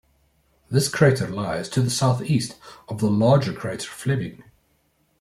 This crater lies to the southeast of the larger crater Fleming.